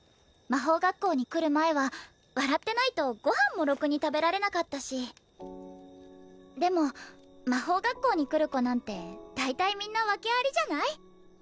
魔法学校に来る前は笑ってないとご飯もろくに食べられなかったしでも魔法学校に来る子なんて大体みんな訳ありじゃない？